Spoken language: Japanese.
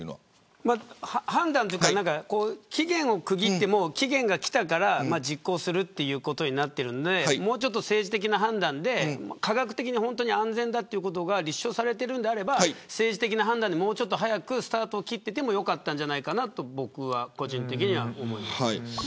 判断というか期限が来たから実行するということになっているんで科学的に安全だということが立証されているんであれば政治的な判断でもうちょっと早くスタートを切ってても良かったんじゃないかなと個人的には思います。